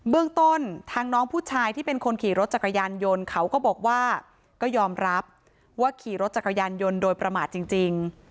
เรื่องต้นทางน้องผู้ชายที่เป็นคนขี่รถจักรยานยนต์เขาก็บอกว่าก็ยอมรับว่าขี่รถจักรยานยนต์โดยประมาทจริง